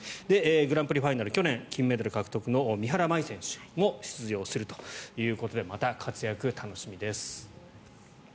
グランプリファイナル去年、金メダル獲得の三原舞依選手も出場するということでまた活躍、楽しみです。